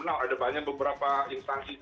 nah ada banyak beberapa instansi tadi